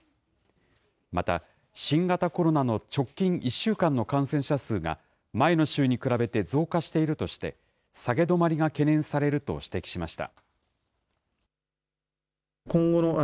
また、新型コロナの直近１週間の感染者数が、前の週に比べて増加しているとして、下げ止まりが懸念されると指摘しました。